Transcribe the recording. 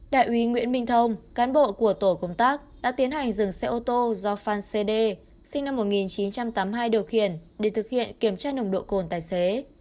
đại úy nguyễn minh thông cán bộ của tổ công tác đã tiến hành dừng xe ô tô do phan cd sinh năm một nghìn chín trăm tám mươi hai điều khiển để thực hiện kiểm tra nồng độ cồn tài xế